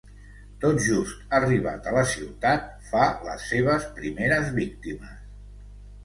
Tot just arribat a la ciutat, fa les seves primeres víctimes.